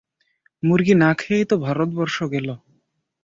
মুর্গি না খেয়েই তো ভারতবর্ষ গেল!